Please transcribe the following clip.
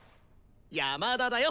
山田だよ！